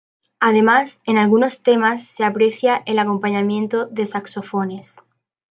Además en algunos temas se aprecia el acompañamiento de saxofones.